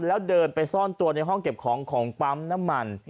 แล้วเดินไปซ่อนตัวในห้องเก็บของของปั๊มน้ำมัน